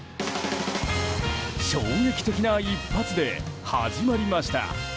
衝撃的な一発で始まりました。